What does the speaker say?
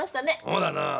そうだなぁ。